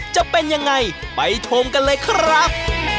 จะเป็นยังไงไปชมกันเลยครับ